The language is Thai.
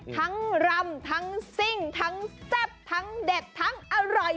รำทั้งซิ่งทั้งแซ่บทั้งเด็ดทั้งอร่อย